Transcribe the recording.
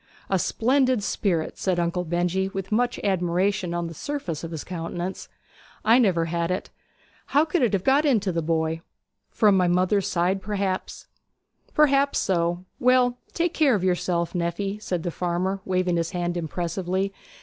'A splendid spirit!' said Uncle Benjy, with much admiration on the surface of his countenance. 'I never had it. How could it have got into the boy?' 'From my mother's side, perhaps.' 'Perhaps so. Well, take care of yourself, nephy,' said the farmer, waving his hand impressively.